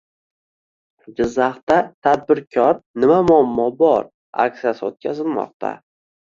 Jizzaxda “Tadbirkor, nima muammo bor?” aksiyasi o‘tkazilmoqda